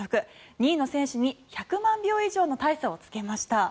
２位の選手に１００万票以上の大差をつけました。